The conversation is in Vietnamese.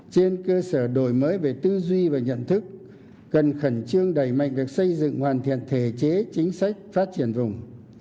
trên cơ sở đổi mới về tư duy và nhận thức cần khẩn trương đẩy mạnh việc xây dựng hoàn thiện thể chế chính sách phát triển vùng